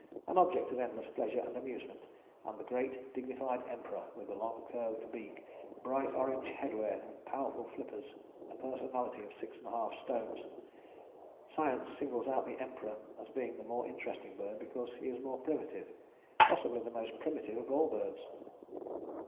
an object of endless pleasure and amusement, and the great dignified Emperor with long curved beak, bright orange head wear and powerful flippers, a personality of 6½ stones. Science singles out the Emperor as being the more interesting bird because he is more primitive, possibly the most primitive of all birds.